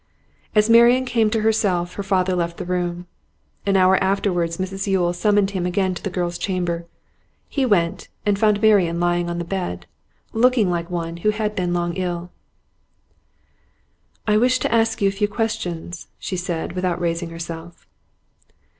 As Marian came to herself her father left the room. An hour afterwards Mrs Yule summoned him again to the girl's chamber; he went, and found Marian lying on the bed, looking like one who had been long ill. 'I wish to ask you a few questions,' she said, without raising herself.